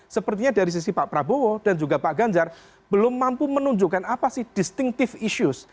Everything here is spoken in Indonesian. sepertinya dari sisi pak prabowo dan juga pak ganjar belum mampu menunjukkan apa sih distinctive issues